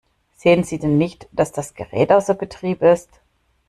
Sehen Sie denn nicht, dass das Gerät außer Betrieb ist?